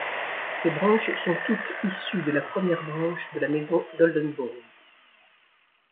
Ces branches sont toutes issues de la première branche de la Maison d'Oldenbourg.